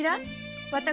私。